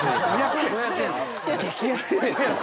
激安ですよ。